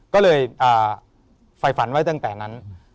ก็เลยไฟฝันไว้ตั้งแต่นั้น